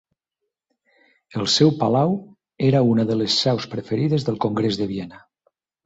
El seu palau era una de les seus preferides del Congrés de Viena.